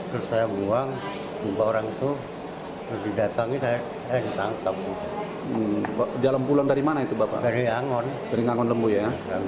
keringangon keringangon lembu ya